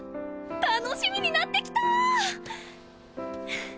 楽しみになってきた！